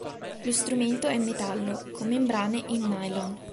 Lo strumento è in metallo con membrane in nylon.